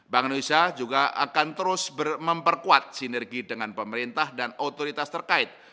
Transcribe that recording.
bank indonesia juga akan terus memperkuat sinergi dengan pemerintah dan otoritas terkait